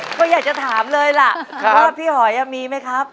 ก็อยากจะถามเลยล่ะว่าพี่หอยมีไหมครับ